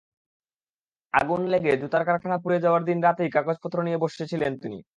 আগুন লেগে জুতার কারখানা পুড়ে যাওয়ার দিন রাতেই কাগজপত্র নিয়ে বসেছিলেন তিনি।